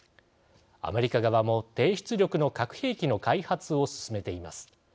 アメリカ側も低出力の核兵器の開発を進めています。